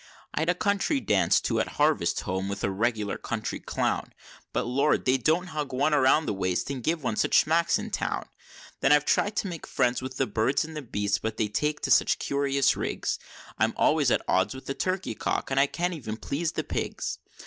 I'd a country dance too at harvest home, with a regular country clown, But, Lord! they don't hug one round the waist and give one such smacks in town! Then I've tried to make friends with the birds and the beasts, but they take to such curious rigs, I'm always at odds with the turkey cock, and I can't even please the pigs.